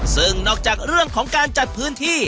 ซึ่งนอกจากเรื่องของการจัดพื้นที่